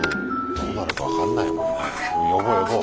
どうなるか分かんないもんね。